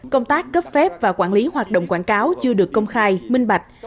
công tác cấp phép và quản lý hoạt động quảng cáo chưa được công khai minh bạch